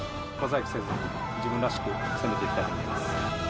自分らしく攻めていきたいと思います。